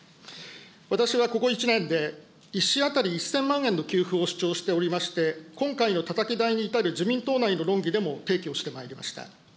私がここ１年で、１子当たり１０００万円の給付を主張しておりまして、今回のたたき台に至る自民党内の論議でも提供をしてまいりました。